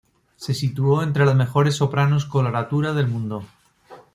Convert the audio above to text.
Se situó entre las mejores sopranos coloratura del mundo.